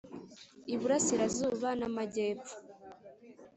Iburasirazuba n Amajyepfo .